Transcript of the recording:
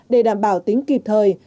để đảm bảo tính kịp thời